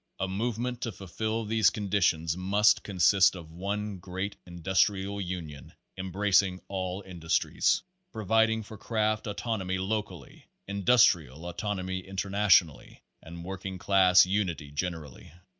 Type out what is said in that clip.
A movement to fulfill these conditions must consist of one great industrial union embracing all industries providing for craft autonomy locally, industrial auton omy internationally, and working class unity generally.